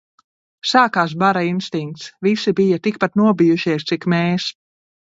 Sākās bara instinkts. Visi bija tik pat nobijušies, cik mēs.